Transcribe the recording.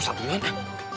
ustadz duluan ya